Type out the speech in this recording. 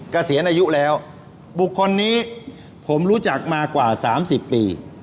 ก็เสียนอายุแล้วบุคคลนี้ผมรู้จักมากว่าสามสิบปี